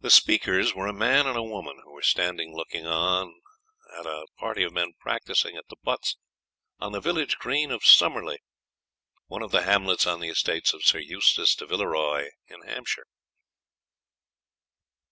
The speakers were a man and woman, who were standing looking on at a party of men practising at the butts on the village green at Summerley, one of the hamlets on the estates of Sir Eustace de Villeroy, in Hampshire.